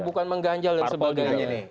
bukan mengganjal dan sebagainya